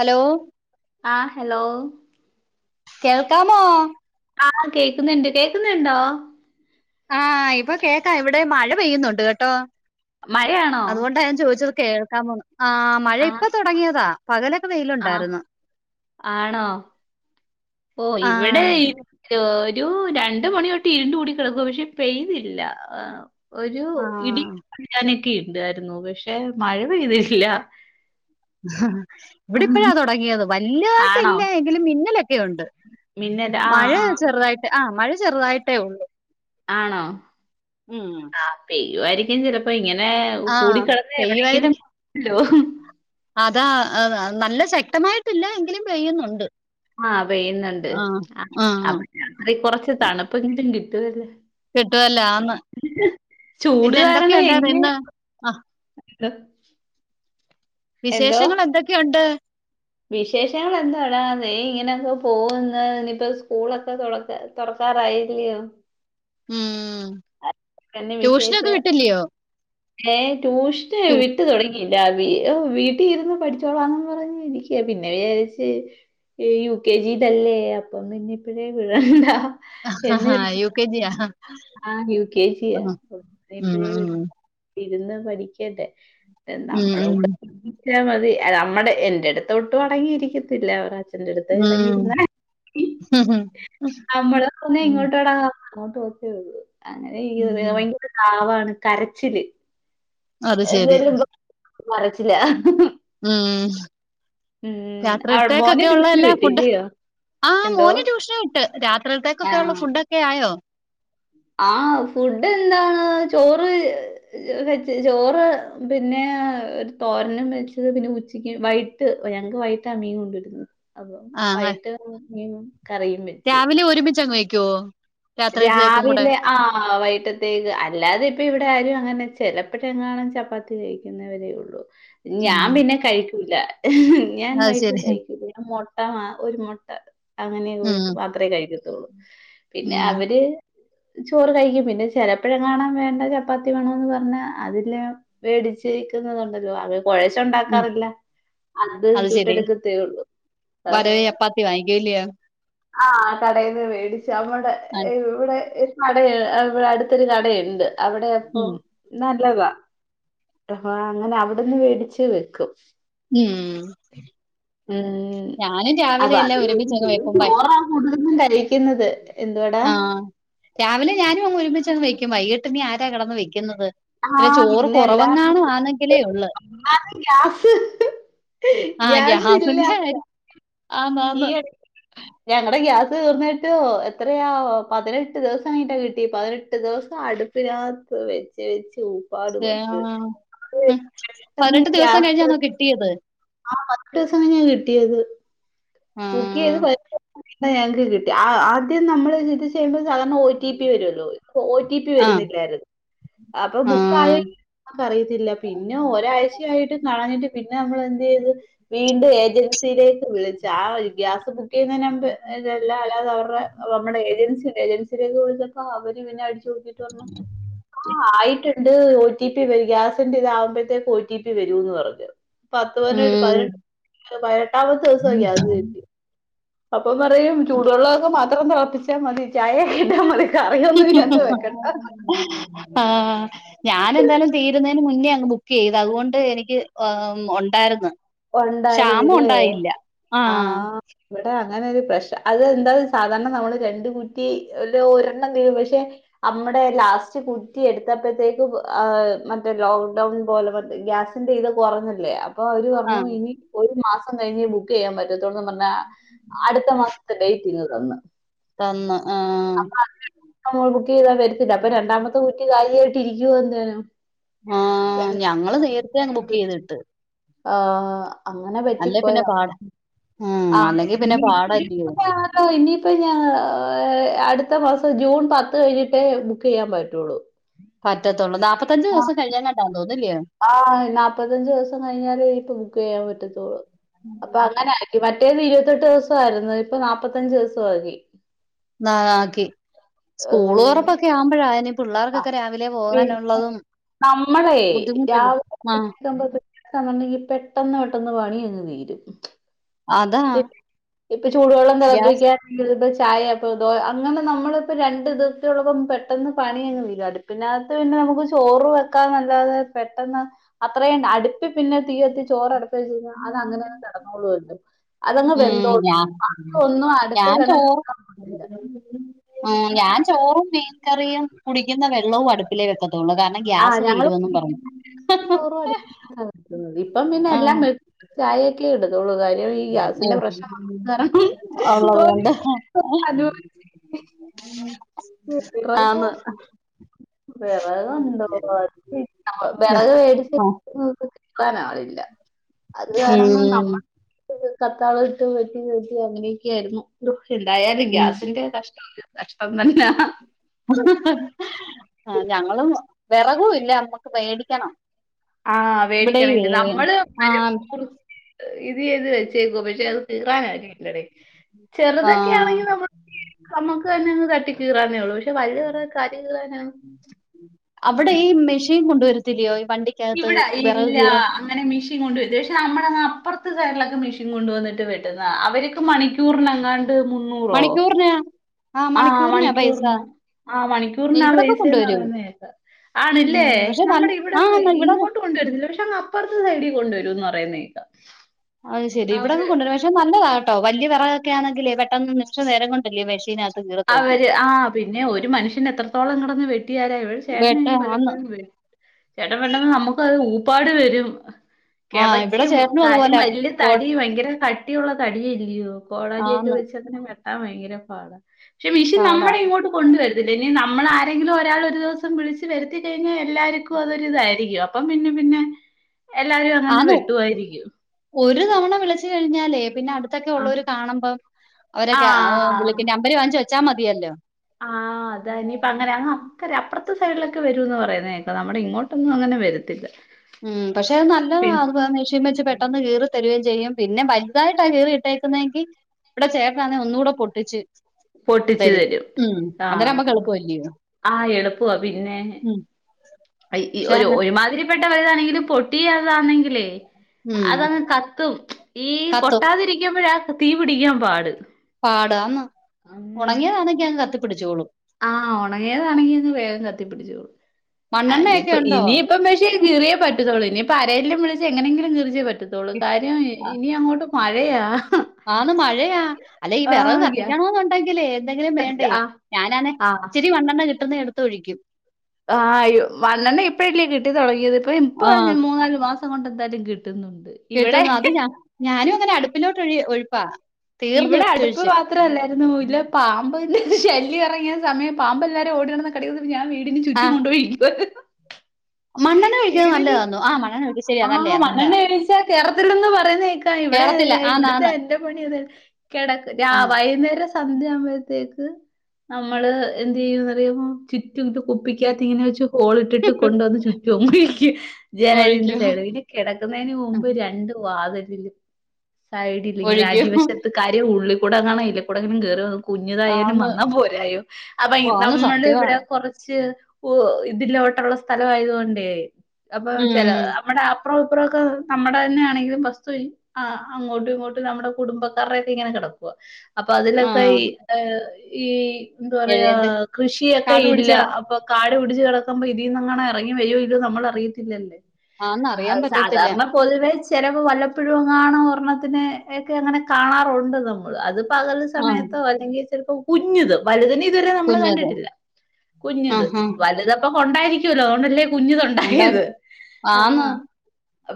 Hello ആഹ്‌.. hello കേൾക്കാമോ? ആഹ്‌ കേക്കുന്നുണ്ട് കേക്കുന്നുണ്ടോ? ആഹ ഇപ്പൊ കേക്കാം ഇവിടെ മഴ പെയ്യുന്നുണ്ട് കേട്ടോ മഴയാണോ അതുകൊണ്ടാ ഞാൻ ചോദിച്ച കേൾക്കാമൊന്ന് ആഹ്‌ മഴ ആഹ് ഇപ്പൊ തുങ്ങിയതാ പകലൊക്കെ ആഹ് വെയിലുണ്ടാരുന്നു ആണോ ഓ യിവടെ ഓരൂ രണ്ട് മണിതൊട്ട് ഇരുണ്ടുടി കിടക്ക പക്ഷെ പെയ്തില്ല ഒരു ഇടി ആഹ് [unintelligible] പക്ഷെ മഴ പെയ്തില്ല ഇവിടപ്പഴാ തൊടങ്ങിയത് ആണോ വല്ല്യതായിട്ടില്ല എങ്കിലും മിന്നലെ ക്കെയുണ്ട് മിന്നൽ ആഹ് മഴേ ആഹ് ചെറുതായിട്ട് ആഹ് മഴ ചെറുതായിട്ടേള്ളൂ ആണോ ഉം പെയ്യുവായിരിക്കും ചെലപ്പോ ഇങ്ങനെ ആഹ് കൂടിക്കടന്ന് എവിടെയെങ്കിലും പെയ്യുവായിരിക്കും ലോഹ് അതാ അഹ് നല്ല ശക്തമായിട്ടില്ല എങ്കിലും പെയ്യുന്നുണ്ട് ആഹ് പെയ്യുന്നുണ്ട് ആഹ് ആഹ് അപ്പൊ രാത് കൊറച്ച് തണുപ്പെങ്കിലും കിട്ടോല്ലേ കിട്ടുവല്ലോ ആന്ന് പിന്നെ ചൂട്കാരണം എന്തൊക്കെയുണ്ടായിരുന്നു എങ്ങനെ ഇന്ന് ആഹ് [unintelligible] വിശേഷങ്ങൾ എന്തൊക്കെയുണ്ട്? വിശേഷങ്ങൾ എന്താടാ ദേ ഇങ്ങനെയൊക്കെ പോകുന്ന് ഇനിയിപ്പോ സ്കൂളൊക്കെ തുടക്ക തൊറക്കായില്ല്യോ ഉം ട്യൂഷനൊക്കെ വിട്ടില്ല്യോ ഏഹ് ട്യൂഷന് വി ട്ട് തൊടങ്ങിയില്ല വി ഓഹ് വീട്ടിരുന്ന് പഠിച്ചോളാംന്ന് പറഞ്ഞിരിക്ക പിന്നെ വിചാരിച്ച് യു കെ ജി ലല്ലേ അപ്പം പിന്നെപ്പഴേ വിടണ്ടാ എ ന്ന് ആഹാ വി യു കെ ജിയാ? ആഹ്‌ യു കെജിയ ആഹ്. ഉം ഇപ്പഴേവി ഉം. ഇരുന്ന് പഠിയ്ക്കണ്ടേഎന്ന ഉം ഉം. നമ്മളൊക്കെ ചിന്തിച്ചാൽ മതി നമ്മടെ എന്റെടു ഒട്ടും അടങ്ങിയിരിക്കത്തില്ല അവർ അച്ഛന്റെറടുത്ത് ഇറങ്ങി ഉം. അമ്മള് ഉം ഒന്നിങ്ങേട്ടെടാ [unintelligible] ഉം. ഭയങ്കര ഒരു കാവാണ് കരച്ചില് അത് ശരി. ചെല്ലുമ്പോ കരച്ചിലാ ഉം ഉം അവ മോനെ ട്യൂഷന് രാത്രിത്തേക്കൊക്കെള്ളഎല്ലാ ഫുഡ് വിട്ടില്ലയോ? ആഹ് എന്തോ? മോന് ട്യൂഷന് വിട്ട് രാത്രിത്തേക്കൊക്കെള്ള ഫുഡൊക്കെ ആയോ ആഹ്‌ ഫുഡെന്താണ് ചോറ് വെ ചോറ് പിന്നെ ഒരു തോരനുവെച്ച് പിന്നെ ഉച്ചക്ക് വൈ ട്ട് ഞങ്ങക്ക് വൈകിട്ടാ മീൻ കൊണ്ടുവരുന്നത് അപ്പൊ ആഹ്. വൈകീട്ട് മീൻകറിയും വെച്ച് രാവിലെ ഒരുമിച്ചങ്ങ് വെയ്ക്കോ രാവിലെ ആഹ്‌ വൈട്ടത്തേക്ക് അല്ലാതെ ഇപ്പ ഇവിടെ ആരും അങ്ങനെ ചെലപ്പറ്റെ ങ്ങാനും ചപ്പാത്തി കഴി ക്ക്ണവരേള്ളൂ ഞാൻ ഉം. പിന്നെ കയി ക്കൂല ഞാൻ അത് വൈട്ട് ശരി. കയിക്കില്ല മൊ ട്ട ആഹ് ഒരു മുട്ട അങ്ങനെ ഉം ഒന്ന് മാത്രമേ കഴിക്കത്തുള്ളൂ പിന്നെ ഉം അവര് ചോറ് കഴിക്കും പിന്നെ ചെലപ്പഴെ ങ്ങാണംവേണ്ട ചപ്പാത്തി വേണന്ന് പറഞ്ഞാ അതില് വേടിച്ചിക്കുന്നതുണ്ടല്ലോഅത് കൊയച്ച് ഉം. ണ്ടാക്കാറില്ല അത് ചുട്ടെടുക്കത്തേ ഉള്ളൂ വരവ് ചപ്പാത്തി വാങ്ങിക്കും ഇല്ലയോ? ആഹ് കടയിന്ന് മേടിച്ച അത്കൊണ്ട് ആ, എവിടെ കട ഇവിടെ അടുത്തൊരു കടയുണ്ട് അവിടെ അപ്പം ഉം നല്ലതാ ആഹ് അങ്ങനെ അവിടുന്ന് വേടിച്ച് വെക്കും ഉം. ഉം ഞാനും രാവിലെ അപ്പൊ എല്ലാം അതും ഒരുമിച്ചങ്ങ് വെറും വെക്കുമ്പേ ചോറാ ഉള്ള്ന്നും കരീക്കുന്നത് ആഹ് രാവിലെ ഞാനും അങ്ങ് ഒരുമിച്ചന്ന് വെയ്ക്കും വൈകീട്ട് നീ ആരാ കിടന്ന് വെക്കുന്നത് ആ ന്നെ ചോറ് പിന്നെ അല്ലാതെ കുറവങ്ങാനോ ആന്നെങ്കിലേ ഉള്ളൂ ഒന്നാമത് ഗ്യാസ് ആഹ് ഗ്യാസിന്റെ ആന്നാന്ന് ഈയട് ഞങ്ങടെ ഗ്യാസ് തീർന്നിട്ട് എത്രയാ പതിനെട്ട് ദിവസയിട്ടാ കിട്ടി പതിനെട്ട് ദിവസം അടു പ്രാക് വെച്ച് വച്ച് ഉ ഷേ ആഹ് ഉം പതിനെട്ട് ദിവസം കഴിഞ്ഞാണോ കിട്ടിയത് ആഹ് പത്ത്സം കയ്ഞ്ഞാ കിട്ടിയത് ആ ബുക്ക്യ്ത് [unintelligible] ഞങ്ങക്ക് കിട്ടി ആദ്യം നമ്മള് [unintelligible] ക്ക്‌ ചെയുമ്പോ സാധാരണ ഒ ടി പി വരുല്ലോ ഇത് ഒ ടി പി ആ വരുന്നില്ലായിരുന്നു അപ്പൊ ആ ബുക്കായ നമ്മക്കറിയത്തില്ല പിന്നെ ഒരാഴ്ച യായിട്ടും കാണഞ്ഞിട്ട് പിന്നെ നമ്മളെന്ത്യ്തു വീണ്ടും ഏജൻസിയിലേക്ക് വിളി ച ആരു ഗ്യാസ് ബുക്ക് ചെയ്യുന്നയ്ന് മുമ്പ് ഇതല്ല അല്ലാത അവരുടെ നമ്മടെ ഏജൻസിണ്ട് ഏജ വിളിച്ചപ്പോ അവര് പിന്നെ അടിച്ചു കൊടുത്തിട്ട് പറഞ്ഞു ആഹ് ആയിട്ട് ഇത് ഒ ടി പി വരു ഗ്യാസിന്റെ ഇതാഉമ്പഴത്തേക്ക് ഒ ടി പി വരൂന്ന് പറഞ്ഞു പത്ത് പതിന ഉം. പതിനെട്ട് പതിനെട്ടാമത്തെ ദിവസാ ഗ്യാസ്കിട്ടി അപ്പം പറയും ചൂടുവള്ളക്കെ മാത്രം തിളപ്പിച്ചാ മതി ചായയിട്ടാ മതി കറിയൊന്നും ഈനാതു വെക്കണ്ട ആഹ് ഞാനെന്തായാലും തീരുന്നേന് മുന്നേ അങ്ങ് ബുക്ക്യ്ത് അതുകൊണ്ട് എനിക്ക് ഉണ്ടായിരുന്നു ഉണ്ടായിരുന്നില്ലേ ക്ഷാമുണ്ടായില്ല ആഹ് ഇവടെ അങ്ങനെ ഒരു പ്രശ്ന അത് എന്താ സാധാരണ നമ്മള് രണ്ട് കുറ്റി അതിലൊരെണ്ണം തീരു പക്ഷെ അമ്മടെ ലാസ്റ്റ് കുറ്റി എടുത്തപ്പോഴത്തേക്കും ആഹ് മറ്റേ ലോക്ക്ഡൗൺ പോലെ ഗ്യാസ് എന്തേ ത് കുറഞ്ഞില്ലേ അപ്പൊ അവര് ആ ഓഹ് ഇനി ഒരുമാസം കഴിഞ്ഞേ ബുക്ക്യ്യാൻ പറ്റത്തുള്ളോന്ന് പറഞ്ഞ അടുത്ത മാസത്തെ ഡെയ്റ്റ് ഇങ് തന്ന് തന്ന് ആ അപ്പൊ [unintelligible] നമ്മൾ ബുക്ക് ചെയ്താൽ വരത്തില്ല അപ്പൊ രണ്ടാമത്തെ കുറ്റി കാലിയായിട്ട് ഇരിക്കുവോന്തേനോ ആഹ് ഞങ്ങള് നേരത്തെങ്‌ ബുക്ക്യ്തിട്ട് ആഹ് അങ്ങനെ അല്ലെ പിന്നെ പറ്റിപ്പോയതാ പാടാ ഉം ആഹ് അല്ലെങ്കി പിന്നെ പാടല്ലയോ [unintelligible] ലാ ഇനിയിപ്പ ഞാൻ അടുത്ത മാസം ജൂൺ പത്ത് കഴിഞ്ഞിട്ടേ ബുക്ക്യ്യാൻ പറ്റുള്ളൂ പറ്റത്തുള്ള നാപ്പത്തഞ്ച് ആഹ് ദിവസം കഴിയാഞ്ഞാലേറ്റാ തോന്നുല്ലേ ആഹ് നാൽപത്തഞ്ച് ദിവസം കഴിഞ്ഞാല് ഇപ്പം ബുക്ക് ചെയ്യാൻ പറ്റത്തുള്ളൂ അപ്പൊ അങ്ങനെ ആക്കി മറ്റേത് ഇരുപത്തെട്ട് ദിവസായിരുന്നു ഇപ്പൊ നാൽപത്തഞ്ച് ദിവസം ആക്കി ന്നാ ആക്കി സ്കൂള് ഏഹ് തൊറപ്പൊക്കെ ആവുമ്പോഴാന് ആഹ് പിള്ളേർക്കൊക്കെ രാവിലെ പിന്നെ പോകാനുള്ളതും ബുദ്ധിമുട്ടല്ലേ ആഹ് സമ്പത് [unintelligible] പെട്ടെന്ന് പെട്ടെന്ന് പണി അങ്ങ് തീരും അതാ ഇപ് ഇപ്പൊ ചൂടുവെള്ളം ഗ്യാസ് തെളപ്പിക്കാൻ [unintelligible] ചായ അപ്പൊ ദോ അങ്ങനെ നമ്മളിപ്പോ രണ്ട് ഇതൊക്കെയുള്ളപ്പം പെട്ടെന്ന് പണിയങ്ങ് തീരട് പിനാത്ത് പിന്നെ നമുക്ക് ചോറ് വെക്കാന്നല്ലാതെ പെട്ടെന്ന് അത്രയും അടു ട്ട് പിന്നെ തീ എത്തി ചോറ്ടക്ക വച്ച് കഴിഞ്ഞാ അങ്ങനെ കിടന്നൊളൂല്ലോ ഉം ഞാ ഒന്നും ഞാൻ അടുപ്പിൽ ചോ അങ്ങനെ വെക്കാൻ പറ്റില്ല ആഹ് ഞാൻ ചോറും മീൻകറിയും കുടിക്കുന്ന വെള്ളവും അടുപ്പിലേ വെക്കത്തുള്ളൂ കാ ആഹ് ഞങ്ങള് ചോറും അടുപ്പത്തുന്നാ വെക്കുന്നത് ഇപ്പം പിന്നെ എല്ലാം വെ ചായെ ക്കെ ഇടുതോളു കാര്യം ഈ ഗ്യാസിന്റെ പ്രശ്നം വന്നത് കാരണം ഉള്ളത് കൊണ്ട് [unintelligible] വിറകും ആന്ന് വിറകുണ്ടോ അതു ഇ വിറക് വേടിച്ച് ആ, വെച്ചേക്കുന്നത് കീറാൻ ആളി ല്ല അത് കാരണം നമ്മൾ ഉം കത്താൾ ഇട്ട് വെട്ടി വെട്ടി അങ്ങനെയൊക്കെ ആയിരുന്നു ഹോ എന്തായാലും ഉം ഗ്യാസിന്റെ കഷ്ടം ഒരു കഷ്ടം തന്നാ ആഹ് ഞങ്ങളും വെറകു ഇല്ല. നമ്മുക്ക് മേടിക്കണം. ആഹ് ഇവിടെയുവേ വേടിക്കണണ്ട് നമ്മള് ആ മരം മുറിച്ച് ഇത് ചെയ്ത് വെച്ചേക്കു പക്ഷെ അത് കീറാൻ ആരേം കിട്ടിലടെ ആ ചെറുതൊക്കെ ആണെങ്കി നമ്മ നമ്മക്ക് തന്നെ അങ്ങ് തട്ടി കീറാനേ ഉള്ളൂ. പക്ഷെ വല്യ വെറകൊക്കെ ആരു കീറാനാ അവിടെ ഈ മെഷീൻ കൊണ്ടുവരത്തില്ലയോ ഈ വണ്ടി ഇവിട ഇല്ലാ അങ്ങനെ മെഷീൻ കൊണ്ട് പക്ഷെ നമ്മടെ അങ്ങ് അപ്പർത്ത സൈഡിലൊക്കെ മെഷീൻ കൊണ്ടുവന്നിട്ട് വെട്ടുന്ന അവര് മണിക്കൂർനെങ്ങാണ്ട് മൂ മണിക്കൂർനാ ആഹ് മണിക്കൂർന് ആഹ് മണിക്കൂർനാ ഇവിടൊക്കെ പൈസെന്ന് കൊണ്ടുവരും പറയുന്ന കേക്ക ആണ്ല്ലേ ഉം പക്ഷെ ന നമ്മുടെ ഇവിടെ ആ ഒന്നു ഇവിടെ ഇങ്ങോ ട്ട് കൊണ്ടുവരുന്നില്ല പക്ഷേ അങ്ങ് അപ്പർത്തെ സൈഡി കൊണ്ടുവരുന്ന് പറയുന്ന കേക്കാം. അത് ശെരി ഇവിടൊക്കെ അവര് കൊണ്ടുവരും. പക്ഷേ നല്ലതാ കേട്ടോ വല്യ വെറകൊക്കെ ആണെങ്കിലെ പെട്ടെന്ന് നിമിഷ നേരം കൊണ്ടല്ലേ മെഷ്യൻ അവര് ആഹ് പിന്നെ ഒരു മനുഷ്യന് എത്രത്തോളം കെടന്ന് വെട്ടിയാലാ ഇവിടെ ബെട്ട ചേട്ടനനിയനും ആന്ന് വല്ലപ്പോഴും വെ ചേട്ടൻ വെട്ടുമ്പോ നമുക്ക് അത് ഊപ്പാട് വരും. ആ ഇവിടെ കിതയ്ക്കും ചേട്ടനും കാര്യം അതുപോലെ വല്യ പോ തടി ഭയങ്കര കട്ടിയുള്ള തടിയല്ലിയോ കോടാലി ഒക്കെ ആന്ന് വെച്ചതിനെ വെട്ടാൻ ഭയങ്കര പാട പക്ഷെ മിഷീൻ പാടാ നമ്മളെ ഇങ്ങോട്ട് കൊണ്ടുവരത്തില്ല. ഇനി നമ്മൾ ആരെങ്കിലും ഒരാൾ ഒരു ദിവസം വിളിച്ച് വരുത്തി കഴിഞ്ഞ എല്ലാർക്കും അതൊരിതായിരിക്കും. അപ്പം പിന്നെ പിന്നെ എല്ലാരും അങ്ങനെ ആന്ന് വെട്ടുവായിരിക്കും. ഒരു തവണ വിളിച്ചു കഴിഞ്ഞാലേ പിന്നെ അടുത്തൊക്കെ ആ ഉള്ളവര് കാണുമ്പം ആ അവരൊക്കെ വിളിക്കും നമ്പര് വാങ്ങിച്ച് വെച്ചാ മതിയല്ലോ ആഹ് അതാ ഇനി പ അങ്ങനെ അങ്ങ് അക്കര അപ്പർത്തെ സൈഡിലൊക്കെ വരൂന്ന് പറയുന്നേക്ക നമ്മുടെ ഇങ്ങോട്ടൊന്നും അങ്ങനെ വരത്തില്ല. ഉം പക്ഷെത് നല്ലതാ പിന്നെ അത് മെഷീൻ വെച്ച് പെട്ടെന്ന് കീറി തരുകയും ചെയ്യും. പിന്നെ വലുതായിട്ടാ കീറി ഇട്ടേക്കുന്നെങ്കി ഇവിടെ ചേട്ടനാന്നേ ഒന്നുടെ പൊട്ടിച്ച് തരും. ഉം അന്നേരം നമുക്ക് എളുപ്പല്ലയോ ആഹ് എളുപ്പവാ പിന്നെ പക്ഷെ അങ്ങ ഒരു മാതിരിപ്പെട്ടാ വലുതാണെങ്കില് പൊട്ടിയതാണെങ്കിലെ ഉം അതങ്ങ് കത്തും ഈ കത്തും പൊട്ടാതിരിക്കുമ്പഴാ തീ പിടിക്കാൻ പാട് പാടാന്ന് ഒണങ്ങിയതാണെങ്കി അങ്ങ് കത്തിപ്പിടിച്ചോളും ആഹ് ഒണങ്ങിയതാണെങ്കി വേഗം കത്തിപ്പിടിച്ചോളും. ആഹ് മണ്ണെണ്ണയൊക്കെ ഇനിയിപ്പം ഉണ്ടോ ഇനിയിപ്പം പക്ഷേ കീറിയേ പറ്റത്തോളൂ. ഇനിയിപ്പ ആരേലും വിളിച്ച് എങ്ങനെങ്കിലും കീറിച്ചെ പറ്റ ത്തുള്ളൂ. കാര്യം ഇനി അങ്ങോട്ട് മഴയാ ആന്ന് മഴയാ. അല്ലെ ഈ ആ വെറക് ഗ്യാ- കത്തിക്കണോന്നുണ്ടെങ്കിലേ എന്തെങ്കിലും വേ ണ്ടേ ആ ഞാനാനെ ആ ഇച്ചിരി മണ്ണെണ്ണ കിട്ടുന്ന എടുത്ത്‌ ഒഴിക്കും. ആഹ് മണ്ണെണ്ണ ഇപ്പഴില്ലി കിട്ടി തൊടങ്ങിയത്. ഇപ്പൊ ആ ഇപ്പൊ മൂന്നാല് മാ സം കൊണ്ട് എന്തായാലും കിട്ടുന്നുണ്ട്. ഇവിടെ കിട്ടുന്നത് അത് ഞ ഞാനും അങ്ങനെ അടുപ്പിലോട്ട് ഒഴി ഒഴിപ്പാ. തീർന്നു ഇവിടെ അടുപ്പ് ഉച്ചൊഴിച്ച് മ ത്രല്ലരുന്ന് ഇല്ല പാമ്പിന്റെ ശല്യം എറങ്ങിയ സമയം പാമ്പ് എല്ലാവരെയും ഓടി നടന്ന് കടി ഞാൻ വീടിന് ആ ചുറ്റും കൊണ്ട് പോയി ഒഴിക്കുവായിരുന്നു. മണ്ണെണ്ണ ഒഴിക്കുന്നത് നല്ലതാന്നോ. ആഹ് മണ്ണെണ്ണ ഒഴിക്ക ശരിയ നല്ലയാ നല്ലതാ ക്ഷേ കേറത്തില്ലെന്ന് പറയുന്ന കേ ത ഇവിടെ കേറത്തില്ല ഇവിടുത്തെ ആന്നാന്ന് ന്റെ പണിന്നു കിടക് രാ ആ വൈകുന്നേരം സന്ധ്യയാവുമ്പോഴത്തേക്ക് നമ്മള് എന്ത് ചെയ്യുന്നറിയോ റ്റുംത് കുപ്പിക്കാത്ത ഇങ്ങനെച്ച് ഹോൾ ഇട്ടിട്ട് കൊണ്ട്ന്ന് ചു [unintelligible] ജനലിന്റെ ഒഴിക്കൂ സൈഡില് എൻക് കെടക്കുന്നതിൻ്റെ മുമ്പ് ജെ രണ്ട് വാതിലിലും സൈഡിലിങ്ങനെ ഒഴിക്കൂ അടിവശത് ത് കാര്യം ഉള്ളി ക്കൂടർങ്ങാണോ ഈലെ കൂടെങ്ങനാ കേറാ? കുഞ്ഞതായാലും ആന്ന് വന്നാൽ പോരായോ അപ്പൊ ഓ ആന്ന് നമ്മൾ സത്യവാ ഇവിടെ കൊറച്ച് ഊഹ് ഇതിലോട്ടുള്ള സ്ഥല ആയതോണ്ടേ അപ്പൊ ച ചേലെ ഉം അ നമ്മടെ അപ്പുറം ഇപ്രോക്കെ നമ്മടെ തന്നെയാണെങ്കിലും വസ്തു ആഹ് അങ്ങോട്ടും ഇങ്ങോട്ടും നമ്മുടെ കുടുംബക്കാരുടെ ഒക്കെ ഇങ്ങനെ കിടക്കുക അപ്പൊ ആ അതിലൊക്കെ ഈ എഹ് ഈ എന്താ പറയാ എഴേന്ത് കൃഷിയൊക്കെ കാട് പിടിച്ച് ഇല്ല കിടക്കും അപ്പൊ കാട് പിടിച്ച് കിടക്കമ്പൊ ഇതി നിങ്ങെണെ ഇറങ്ങി വരോ ഇല്ലോ നമ്മള അറയത്തില്ലല്ലേ ആന്ന് അറിയാൻ ആഹ് പറ്റത്തില്ല സാധാരണ പൊതുവെച് ചെലപ്പോ വല്ലപ്പോഴുംങ്ങാണം ഓര്ണ്ണത്തിന് ഏക്കെ അങ്ങനെ കാണാറുണ്ട് നമ്മൾ അത് പകൽ ആ സമയത്തോ അല്ലെങ്കിൽ ചിലപ്പോ കുഞ്ഞുത് വലുത് നെ ഇതുവരെ നമ്മൾ കുഞ്ഞത് കണ്ടിട്ടില്ല. ആ കുഞ്ത് ആ വലുത പ്പൊ കൊണ്ടായിരിക്കോല്ലോ അതോണ്ടല്ലേ ഉണ്ടായി കുഞ്ത്ണ്ടായത് ആന്ന് ആഹ്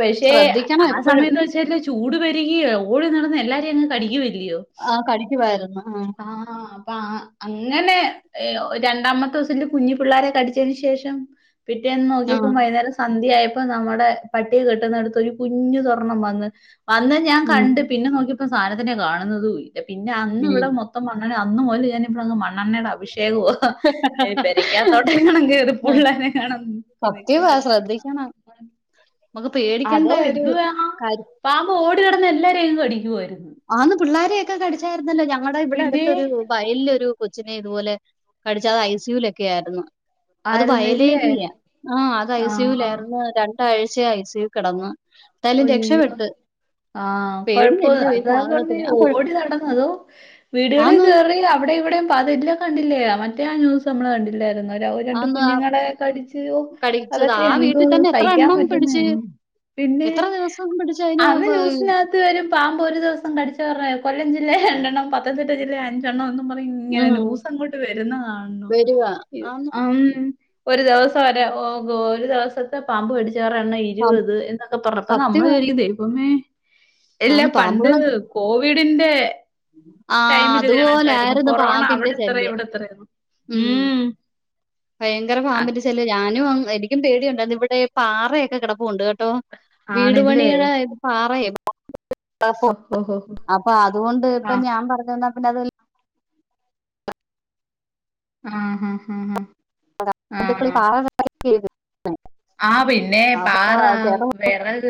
പക്ഷേ ശ്രദ്ധിക്കണം ആ എപ്പോഴും സമയം ന്തെ വച്ചാല് ചൂട് പരിക്യോ ഓടി നടന്ന് എല്ലാരേം അങ്ങ് കടിക്കുവല്ലയോ ആഹ് കഴിക്കുവായിരുന്നു ആഹ് ആഹ്ആഹ് പ്പ ആഹ് അങ്ങനെ എഹ് രണ്ടാമത്തെസം എന്റെ കുഞ്ഞു പിള്ളേരെ കടിച്ചതിന് ശേഷം പിറ്റേന്ന് ആ നോക്കിയപ്പോം വൈന്നേര സന്ധ്യയപ്പോ നമ്മുടെ പട്ടി കെട്ടുന്നടുത്തൊരു കുഞ്ഞുതൊർണം വന്ന് വന്ന് ഞാൻ ഉം. കണ്ട് പിന്നെ നോക്കിയപ്പോ സാധനത്തിനെ കാണുന്നതും ഇല്ല. പിന്നെ അന്ന് വിടെ ഉം. മൊത്തം മണ്ണെണ്ണ അന്ന് മൊതല് ഞാനീ [unintelligible] മണ്ണെണ്ണെടെ അഭിഷേകവുആ നി പെരക്കാത്തോട്ടേ കാണൻ കേറി പുള്ളന്നേ കാണാ സത്യവാ നിക്കുന്നടുത് കാണ ശ്രദ്ധിക്കണം നമുക്ക് പേടിക്കേണ്ട അതോ ഒരു എന്തുവാണോ കാര്യം പാമ്പോ ഓടി നടന്ന് എല്ലാരേം കടിക്കുവായിരുന്നു ആന്ന് പിള്ളാരെയൊക്കെ കടിച്ചായിരുന്നല്ലോ ഞങ്ങളടെ ഇവിടെ പിന്നെ അടുത്തൊരു വയലിലൊ ഒരു കൊച്ചിനെ ഇതുപോലെ കഠിച്ചാത് ഐ സിയുല ഒക്കെ ആയിരുന്നു അത് ആയിരുന്നില്ലേ വയലേരിയ ആഹ് അത് ഐ സി യു ആഹ് ലേർന്ന് രണ്ടാഴ്ച ഐ സി യു കിടന്ന് എന്തായാലും അയ്യോ രക്ഷപ്പെട്ട്. ആഹ് കൊഴപ്പൊ പേടിയല്ലയോ ഈ അത് [unintelligible] സാധനത്തിന്. ആ കുഴ ഓടി നടന്നതോ വീടുകളി ആന്ന് കേറ് ത് അവിടെ ഇവിടെയും [unintelligible] കണ്ടില്ലേ മറ്റേ ആ ന്യൂസ് നമ്മള് കണ്ടില്ലായിരുന്ന രാ രണ്ട് ആന്ന് ആ കുഞ്ഞുങ്ങളെ കടിച്ചോ കടിച്ചത്. അതൊക്കെ ആ എന്ത് വീട്ടിൽ തന്നെ എത്ര സഹിക്കാൻ എണ്ണം പിടിച്ച് പറ്റുന്നാണ് പിന്നെ എത്ര ദിവസം പിടിച്ച് അതിനെ അന്ന് ബ ന്യൂസിനകത്ത് വരും പാമ്പോ ഒരു ദിവസം കടിച്ച പറ കൊല്ലം ജില്ല രണ്ടെണ്ണം പത്തനംതിട്ട ജില്ല അഞ്ചെണ്ണം എന്നും പറ ഇങ്ങനെ ഉം ന്യൂസ്‌ അങ്ങോട്ട് വരുന്ന കാണണോ വരുവാ. യു ആന്ന് ആം ഒരു ദിവസം വരെ ഓ ഗോ ഒരു ദിവസത്തെ പാമ്പ് കടിച്ചവരെ എണ്ണം പ ഇരുപത് എന്ന പൊറത് നമ്മള് സത്യവാ. ചാര്ക്കു ദൈവമേ എല്ലാ ആന്ന് പണ്ട് പാമ്പുകള് കോവിഡിന്റെ ആ ടൈമില് കണക്കായിരുന്നു അതുപോലായിരുന്നു കൊറോണ അവിടെ പാമ്പിന്റെ എത്ര ശല്യം. ഇവിടെ എത്രായിരുന്നു ഉം ഭയങ്കര അങ്ങ പാമ്പന്റെ ശല്യം ഞാനും എനും പേടിയുണ്ട് അത് ഇവിടെ പാറയൊക്കെ കിടപ്പുണ്ട് ട്ടോ വീട് ആണല്ലേ പണിയുടെ ഇത് പാറയാ ഓഹോ ഹോ ഹോ [inaudible] അപ്പൊ അതുകൊണ്ട് ഇപ്പ ആഹ് ഞാൻ പറഞ്ഞ തന്ന പിന്നേ അതെ ആഹ് ഹ ഹ ഹ ജന്തുക്കൾ ഈ ആഹ് പാറ ആഹ് പിന്നെ അപ്പൊ പാറ ചേട്ടൻ വിറക്